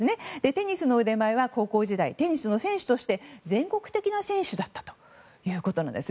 テニスの腕前は高校時代、テニスの選手として全国的な選手だったということなんです。